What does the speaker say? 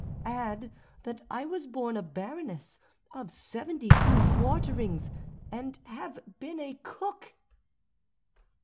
Add that I was born a baroness of seventy two quarterings and have been a cook!"